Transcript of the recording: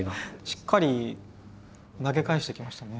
しっかり投げ返してきましたね。